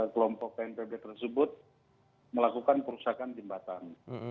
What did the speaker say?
kelompok bnpb tersebut melakukan perusakan jembatan